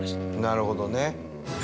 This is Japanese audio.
なるほどね。